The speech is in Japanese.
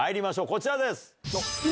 こちらです。